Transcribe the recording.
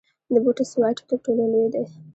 د بوټس وایډ تر ټولو لوی دی.